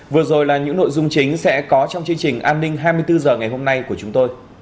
vừa rồi là những nội dung chính sẽ có trong chương trình an ninh hai mươi bốn h ngày hôm nay của chúng tôi